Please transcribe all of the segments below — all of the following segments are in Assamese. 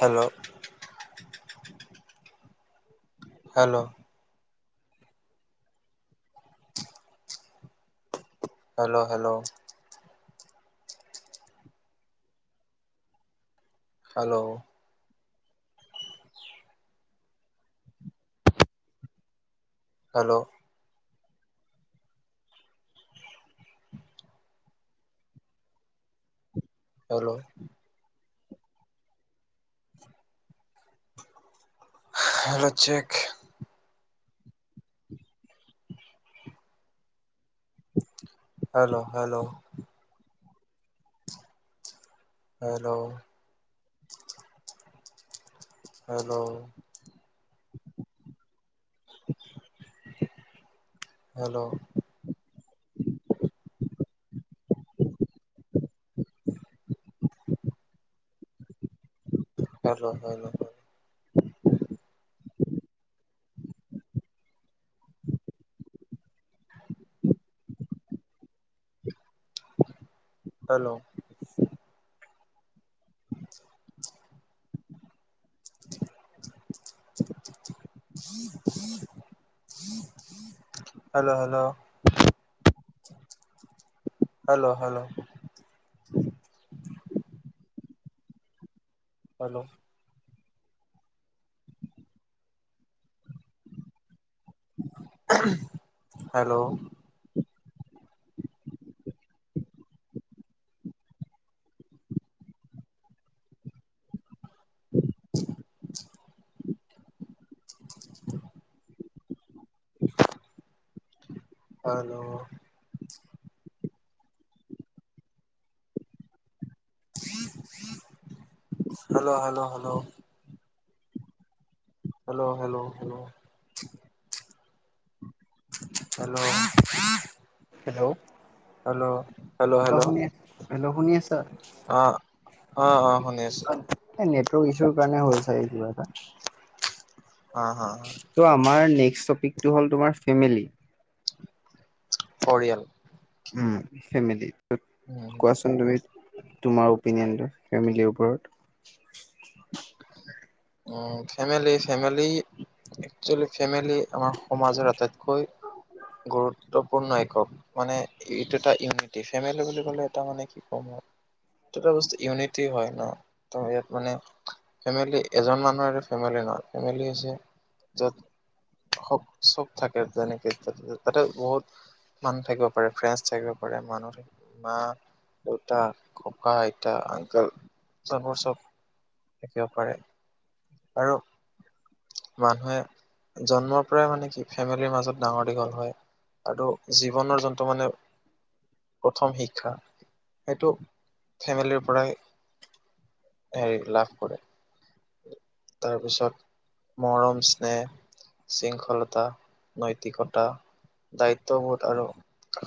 Hello? Hello. Hello hello. Hello. Hello. Hello. Hello check. Hello, hello. Hello. Hello. Hello. Hello, hello. Hello. [inaudible] [inaudible] Hello hello. Hello hello hello hello hello hello hello hello hello hello hello hello hello hello hello hello আছো, হেল্ল' শুনি আছা অঁ অঁ অঁ শুনি আছো। এ নেটৱৰ্ক ইছ্যুৰ কাৰণে হ'ল চাগে কিবা এটা। হঁ হঁ হঁ। ত' আমাৰ নেক্স টপিকটো হ'ল তোমাৰ ফেমিলি। পৰিয়াল। উম' ফেমিলি তত উম, কোৱাচোন তুমি। তোমাৰ অপিনিয়নটো, ফেমিলিৰ ওপৰত। Um' family family- actually family আমাৰ সমাজৰ আটাইতকৈ গুৰুত্বপূৰ্ণ একক। মানে এইটো এটা ইউনিটি, ফেমিলি বুলি কলে এটা মানে কি কম আও- এটা বস্তু ইউনিটি হয় ন ত' ইয়াত- মানে ফেমিলি এজন মানুহৰে ফেমিলি নহয় ফেমিলি হৈছে যত- সব চব থাকে তেনেকে তাতে বহুত- মানুহ থাকিব পাৰে ফ্ৰেণডছ থাকিব পাৰে মানুহ থাকিব- মা দেউতা ককা আইতা আংকল চবৰ চব- থাকিব পাৰে আৰু মানুহে- জন্মৰ পৰাই মানে কি ফেমিলিৰ মাজত ডাঙৰ দীঘল হয়। আৰু জীৱনৰ যোনটো মানে- প্ৰথম শিক্ষা সেইটো ফেমিলিৰ পৰাই- হেৰি লাভ কৰে। তাৰপিছত, - মৰম স্নেহ শৃংখলতা, নৈতিকতা- দায়িত্ববোধ আৰু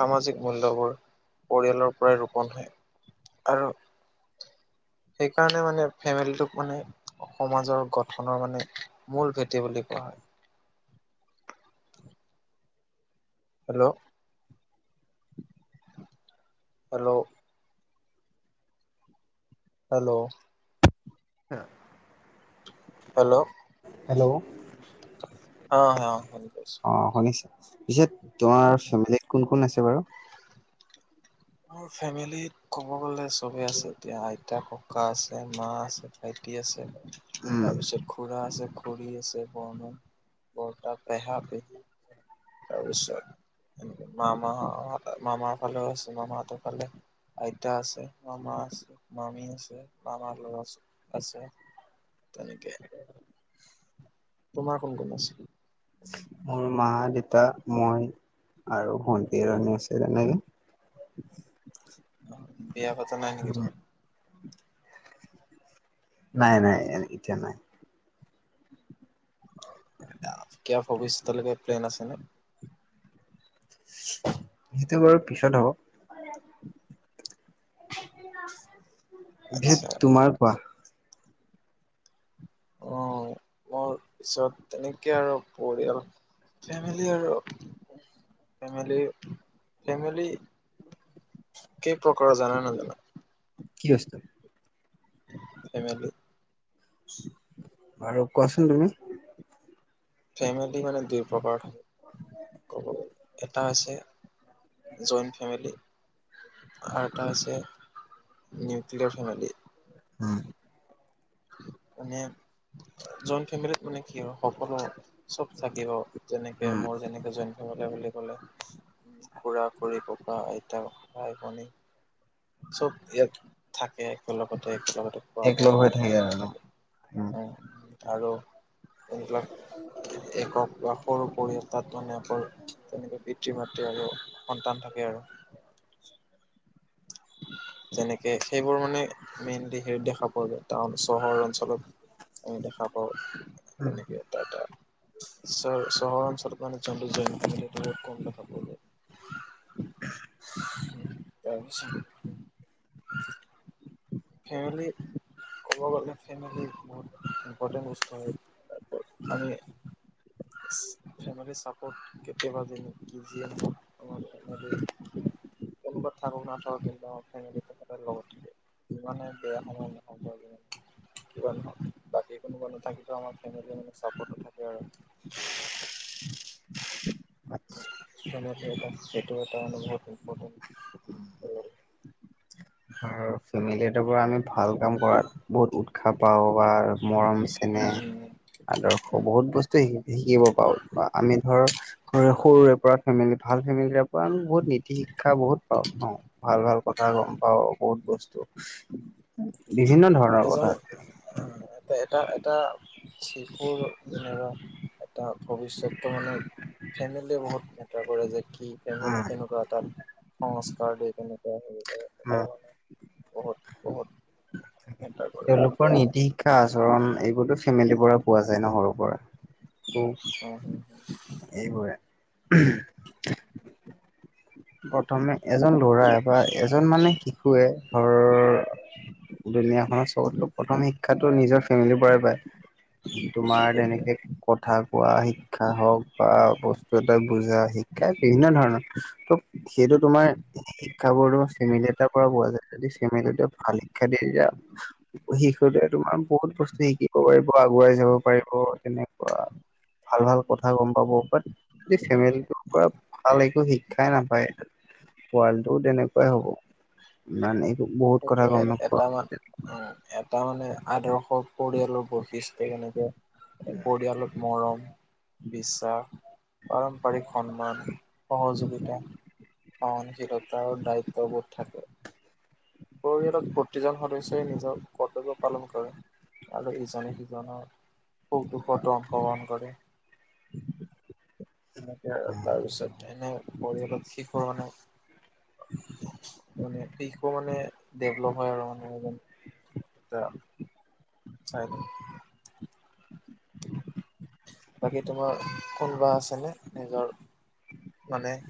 সামাজিক মূল্যয়বোৰ পৰিয়ালৰ পৰাই ৰোপন হয়। আৰু- সেইকাৰণে মানে ফেমিলিটোক মানে- সমাজৰ গঠনৰ মানে মূল ভেটি বুলি কোৱা হয়। [inaudible] হেল্লৌ' হেল্লৌ' হেল্লৌ' আৎচ্ছা। হেল্লৌ' হেল্লৌ' অঁ' অঁ' শুনি পাইছো। অঁ শুনিছো পিছে তোমাৰ ফেমিলীত কোন কোন আছে বাৰু? মোৰ ফেমিলীত ক'ব গ'লে চবেই আছে এতিয়া আইতা, ককা আছে, মা আছে, ভাইটি আছে। উম তাৰপিছত খুৰা আছে, খুৰী আছে, বৰ্মা, বৰটা পেহা, পেহী। তাৰপিছত এ মামা মামা ফালেও আছে মামাহতৰ ফালে। আইতা আছে, মামা আছে, মামী আছে, মামাৰ লৰা আছে। আছে তেনেকে তোমাৰ কোন কোন আছে? মোৰ মা, দেউতা, মই আৰু ভণ্টি এজনী আছে তেনেকে। বিয়া পতা নাই নেকি তুমি? নাই নাই ইতিয়া নাই। কিবা ভৱিষ্যতলৈকে প্লেন আছে নে? সেইটো বাৰু পিছত হ'ব। এতিয়া আচ্ছা তোমাৰ কোৱা? অ। মোৰ পিছত তেনেকে আৰু পৰিয়াল ফেমিলি আৰু। ফেমিলি ফেমিলি কেই প্ৰকাৰৰ জানা নাজানা? কি বস্তু? ফেমিলি বাৰু কোৱাচোন তুমি। ফেমিলি মানে দুই প্ৰকাৰ ক'ব গলে, এটা হৈছে জইণ্ট ফেমিলি আৰু এটা আছে নিউক্লিয়াৰ ফেমিলি। উম মানে জইণ্ট ফেমিলিত মানে কি হয় সকলো চব থাকিব। যেনেকে উম মোৰ যেনেকে জইণ্ট ফেমিলি বুলি ক'লে খুৰা-খুৰী, ককা-আইতা, ভাই- ভনী। চব ইয়াত থাকে একেলগতে একেলগতে খোৱা বোৱা একলগ হৈ কৰে আৰু তেনেকে থাকে, উম আৰু একক বা সৰু পৰিয়াল তাত মানে আকৌ তেনেকে পিতৃ-মাতৃ আৰু সন্তান থাকে আৰু। [inaudible] [inaudible] যেনেকে সেইবোৰ মানে মেইনলি হেৰিত দেখা পোৱা যায় টাউন চহৰ অঞ্চলত। আমি দেখা পাওঁ যেনেকে এটা এটা। চহৰ অঞ্চলত মানে জইণ্ট ফেমিলি কম দেখা পোৱা যায়। [inaudible] [unintelligible] ফেমিলি ক'ব গলে ফেমিলি বহুত ইম্পৰ্টেণ্ট বস্তু হয়। আমি ফেমিলি চাপৰ্ট কেতিয়াবা কি যিয়ে নহওক ফেমিলি কোনোবা থাকক নাথাকক কিন্তু আমাৰ ফেমিলি সদায় লগত থাকিব যিমানেই বেয়া সময় নহয় বাৰু যিয়ে নহওক কিবা নহওক বাকী কোনোবা নাথাকিলেও আমাৰ ফেমিলি চাপৰ্টত থাকে আৰু। ফেমিলি এটা এইটো এটা বহুত ইম্পৰ্টেণ্ট। ফেমিলিটো পৰা আমি ভাল কাম কৰাত বহুত উৎসাহ পাওঁ বা মৰম চেনেহ উম উম আদৰ্শ উম বহুত বস্তু শিকিব পাৰো আমি ধৰ সৰুৰে পৰা ফেমিলি ভাল ফেমিলিৰে পৰা আমি বহুত নীতি শিক্ষা বহুত পাওঁ ন। ভাল ভাল কথা গম পাওঁ বহুত বস্তু বিভিন্ন ধৰণৰ এজন কথা। এটা এটা [unintelligible] এটা ভৱিষ্যযতটো মানে ফেমিলীয়ে বহুত মেটাৰ কৰে যে, কি উম ফেমেলি উম কেনেকুৱা এটা সংস্কাৰ দি কেনেকুৱা হেৰি কৰে সেইটো [inaudible] মানে বহুত বহুত মেটাৰ কৰে আৰু তেওঁলোকৰ নীতি শিক্ষা আচৰণ এইবোৰতো ফেমিলিৰ পৰা পোৱা যায় ন সৰুৰ পৰা, তো উম উম। এইবোৰে উমহ। [inaudible] প্ৰথমে এজন লৰা বা এজন মানে শিশুৱে ঘৰৰ দুুনীয়া খনৰ চবতকৈ প্ৰথম শিক্ষাটো নিজৰ ফেমিলিৰ পৰাই পায়, তোমাৰ সেইটোৱে তেনেকে কথা কোৱা শিক্ষা হওঁক, বা বস্তু এটা বুজা শিক্ষাই বিভিন্ন ধৰণৰ। তো সেইটো তোমাৰ শিক্ষা বোৰতো ফেমিলি এটাৰ পৰা পোৱা যায়, যদি ফেমেলি টোৱে ভাল শিক্ষা দিয়ে তেতিয়া শিশুটোৱে তোমাৰ বহুত বস্তু শিকিব পাৰিব, আগুৱাই যাব পাৰিব তেনেকুৱা। ভাল ভাল কথা গম পাব বাত সেই ফেমিলিটোৰ পৰা ভাল একো শিক্ষাই নাপ পায়। পোৱালিটোও তেনেকুৱাই হ'ব মানে বহুত কথা সেইটোৱে গম নোপোৱা। এটা মান উম, এটা মানে আদৰ্শ পৰিয়ালৰ বৈশিষ্টই কেনেকে পৰিয়াল মৰম, বিশ্বাস, পাৰম্পাৰিক সন্মান। সহযোগিতা, সহনশীলতা আৰু দায়িত্ববোধ থাকে। পৰিয়ালত প্ৰতিজন সদস্যই নিজৰ কৰ্তব্য পালন কৰে, আৰু ইজনে সিজনৰ সুখ দুখত অংশগ্ৰহণ কৰে। তেনেকে আৰু, তাৰ পিছত এনে পৰিয়ালত শিশুৰ মানে মানে দিশবোৰ মানে ডেভলপ হয় আৰু মানুহ এজন। [unintelligible] বাকী তোমাৰ কোনোবা আছেনে, নিজৰ মানে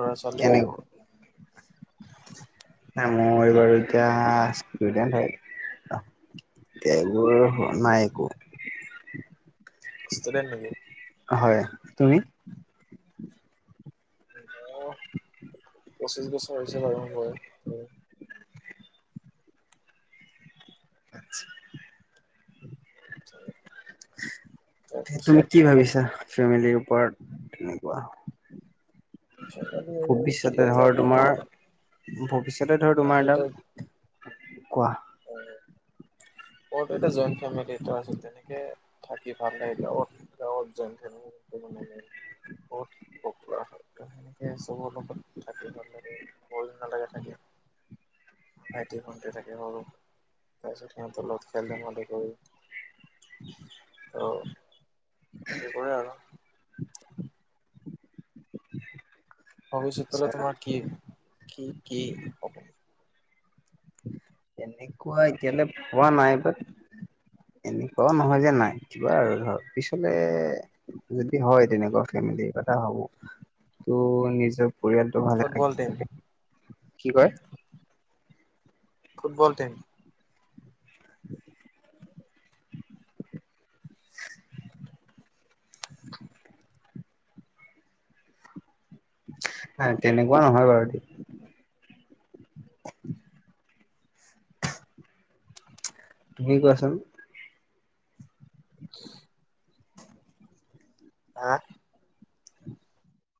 ল'ৰা ছো কেনি গ'ল? মই বাৰু এতিয়া ষ্টুডেন্ট হয়, এতিয়া এইবোৰ নাই একো। ষ্টুডেন্ট নেকি? হয়, তুমি? মোৰ পঁচিশ বছৰ হৈছে বাৰু বয়স। আচ্ছা। [unintelligible] তুমি কি ভাবিছা ফেমেলিৰ ওপৰত তেনেকুৱা? ফেমিলি আৰু কি ভৱিষ্যতে এতিয়া ধৰ মোৰ তোমাৰ ভৱিষ্যতে ধৰ তোমাৰ দাম কোৱা। উম। মইতো এতিয়া জইন ফেমেলিতে আছো, তেনেকে থাকি ভাল লাগে গাৱঁত, গাৱঁত জইন ফেমিলি [unintelligible] বহুত পপুলাৰ হয়, ত সেনেকে চবৰ লগত থাকি মানে সেই বৰু নালাগে থাকি। ভাইটি ভণ্টি থাকে সৰু, তাৰপিছত সিহঁতৰ লগত খেল ধেমালি কৰো। ত সেইবোৰে আৰু। ভৱিষ্যতলে তোমাৰ কি কি কি এনেকুৱা এতিয়ালৈ পোৱা নাই বা এনেকুৱাও নহয় যে নাই কিবা ধৰ পিছলে যদি হয় তেনেকুৱা কিবা এটা ভাবোঁ তো নিজৰ পৰিয়ালটো ভালে ফুটবল টিম থাকিলে কি কয়? ফুটবল টিম নাই তেনেকুৱা নহয় বাৰু দেই। তুমি কোৱাচোন? [unintelligible] [unintelligible] হা